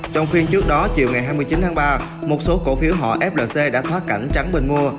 trong phiên trước đó chiều ngày hai mươi chín tháng ba một số cổ phiếu họ flc đã thoát cảnh trắng bình mua